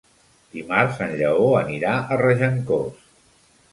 Dimarts en Lleó anirà a Regencós.